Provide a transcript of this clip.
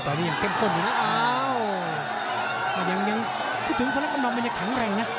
ตอนนี้ยังเท่าข้นอยู่นะอ้าวยังพูดถึงพอแล้วก็มองเป็นอย่างขังแรงนะ